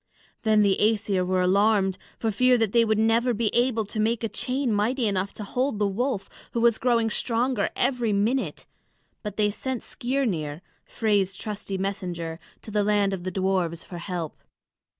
Then the Æsir were alarmed for fear that they would never be able to make a chain mighty enough to hold the wolf, who was growing stronger every minute; but they sent Skirnir, Frey's trusty messenger, to the land of the dwarfs for help.